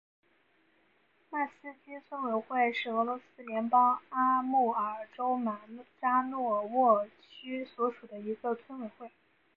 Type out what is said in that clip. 迈斯基村委员会是俄罗斯联邦阿穆尔州马扎诺沃区所属的一个村委员会。